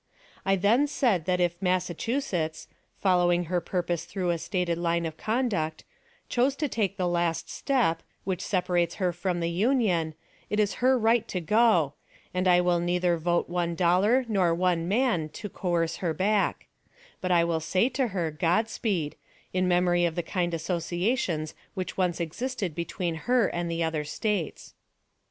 I then said that if Massachusetts following her purpose through a stated line of conduct chose to take the last step, which separates her from the Union, it is her right to go, and I will neither vote one dollar nor one man to coerce her back; but I will say to her, Godspeed, in memory of the kind associations which once existed between her and the other States.